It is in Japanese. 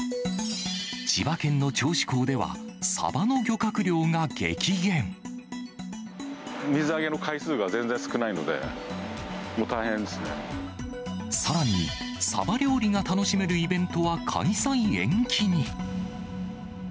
千葉県の銚子港では、サバの水揚げの回数が全然少ないのさらに、サバ料理が楽しめるイベントは開催延期に。